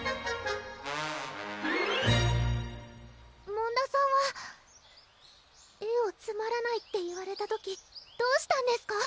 紋田さんは絵をつまらないって言われた時どうしたんですか？